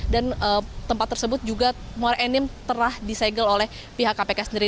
dan tempat tersebut juga muara enim telah disegel oleh pihak kpk sendiri